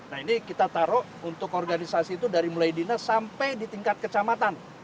nah ini kita taruh untuk organisasi itu dari mulai dinas sampai di tingkat kecamatan